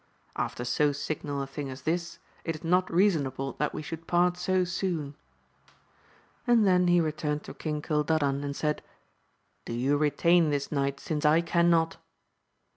After so signal a thing as this, it is not reasonable that we should part so soon ! and then he turned to King Cildadan and said, Do you retain this knight, since I cannot.